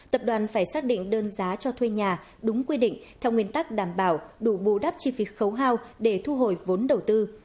tập đoàn phải xác định đơn giá cho thuê nhà đúng quy định theo nguyên tắc đảm bảo đủ bù đắp chi phí khấu hao để thu hồi vốn đầu tư